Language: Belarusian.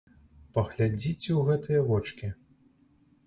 Паглядзіце ў гэтыя вочкі!